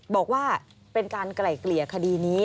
บอกว่าเป็นการไกล่เกลี่ยคดีนี้